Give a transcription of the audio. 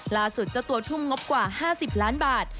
เจ้าตัวทุ่มงบกว่า๕๐ล้านบาท